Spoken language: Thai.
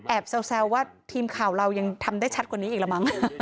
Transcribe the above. แซวว่าทีมข่าวเรายังทำได้ชัดกว่านี้อีกละมั้ง